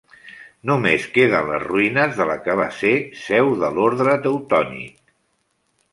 Només queden les ruïnes de la que va ser seu de l'Orde Teutònic.